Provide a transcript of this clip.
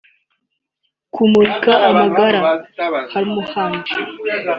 ‘kumurika amagara’ (hemorrhoid)